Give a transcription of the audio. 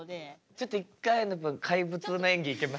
ちょっと一回怪物の演技いけます？